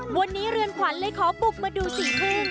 วันนี้เรือนขวัญเลยขอปลุกมาดู๔ทุ่ม